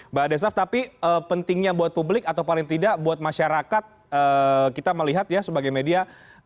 mbak desaf tapi pentingnya buat publik atau paling tidak buat masyarakat kita melihat ya sebagai media